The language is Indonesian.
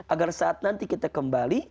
agar saat nanti kita kembali